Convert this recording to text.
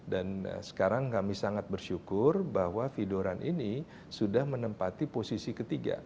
dan sekarang kami sangat bersyukur bahwa fidoran ini sudah menempati posisi ketiga